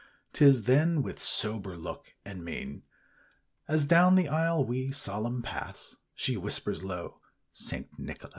Tis then with sober look, and mein, As down the aisle we, solemn, pass, She whispers low, 'St. Nicholas.